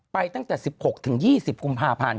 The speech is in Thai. ตั้งแต่๑๖๒๐กุมภาพันธ์